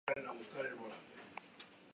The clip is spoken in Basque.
Antzina harrobi garrantzitsua zegoen herrian.